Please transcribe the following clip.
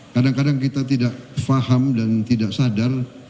kadang kadang kita tidak faham dan tidak sadar